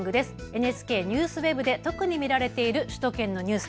ＮＨＫＮＥＷＳＷＥＢで特に見られている首都圏のニュース。